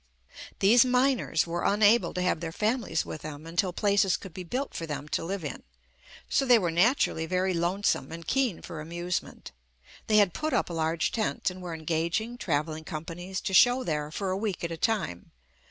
These miners were unable to have their fam ilies with them until places could be built for them to live in. So they were naturally very lonesome and keen for amusement. They had put up a large tent, and were engaging travel ling companies to show there for a week at a time.